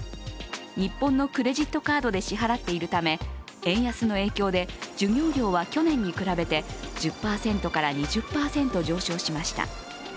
日本のクレジットカードで支払っているため円安の影響で授業料は去年に比べて１０％から２０％上昇しました。